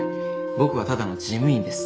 僕はただの事務員です。